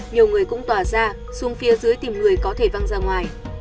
nhiều người cũng tỏa ra xuống phía dưới tìm người có thể văng ra ngoài